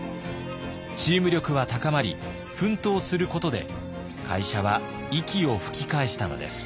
チーム力は高まり奮闘することで会社は息を吹き返したのです。